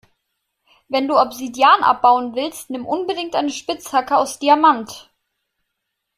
Wenn du Obsidian abbauen willst, nimm unbedingt eine Spitzhacke aus Diamant.